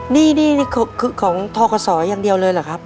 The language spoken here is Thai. นี่คือของทกศอย่างเดียวเลยเหรอครับ